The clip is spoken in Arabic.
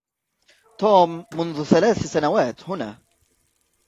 توم منذ ثلاث سنوات هنا.